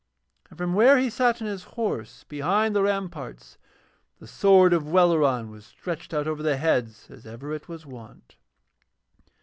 And from where he sat on his horse behind the ramparts the sword of Welleran was stretched out over their heads as ever it was wont.